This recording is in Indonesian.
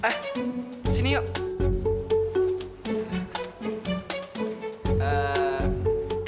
eh sini yuk